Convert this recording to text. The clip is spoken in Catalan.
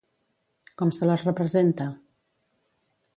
Com se les representa?